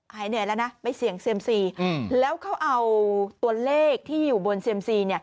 หายเหนื่อยแล้วนะไปเสี่ยงเซียมซีแล้วเขาเอาตัวเลขที่อยู่บนเซียมซี